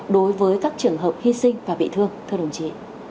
đối với các trường hợp hy sinh và bị thương thưa đồng chí